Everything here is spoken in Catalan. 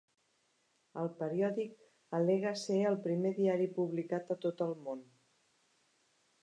El periòdic al·lega ser "el primer diari publicat a tot el món".